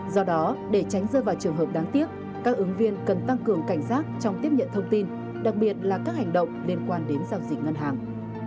do đó để tránh rơi vào trường hợp đáng tiếc các ứng viên cần tăng cường cảnh giác trong tiếp nhận thông tin đặc biệt là các hành động liên quan đến giao dịch ngân hàng